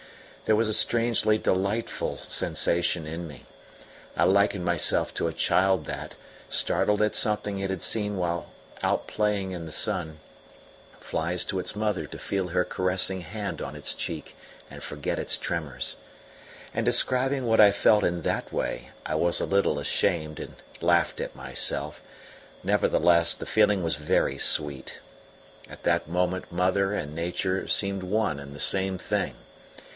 There was a strangely delightful sensation in me. I likened myself to a child that, startled at something it had seen while out playing in the sun, flies to its mother to feel her caressing hand on its cheek and forget its tremors. And describing what I felt in that way, I was a little ashamed and laughed at myself; nevertheless the feeling was very sweet. At that moment Mother and Nature seemed one and the same thing.